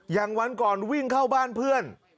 วันก่อนวิ่งเข้าบ้านเพื่อน